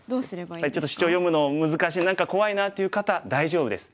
やっぱりちょっとシチョウ読むの難しい何か怖いなっていう方大丈夫です。